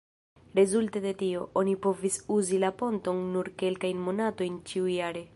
Rezulte de tio, oni povis uzi la ponton nur kelkajn monatojn ĉiujare.